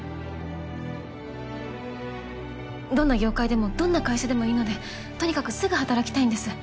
どんな業界でもどんな会社でもいいのでとにかくすぐ働きたいんです。